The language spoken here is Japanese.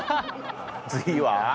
次は？